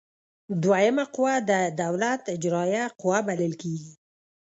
دوهمه قوه د دولت اجراییه قوه بلل کیږي.